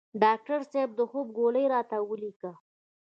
ډاکټر صیب د خوب ګولۍ راته ولیکه